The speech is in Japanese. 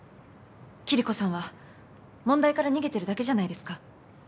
キリコさんは問題から逃げてるだけじゃないですか？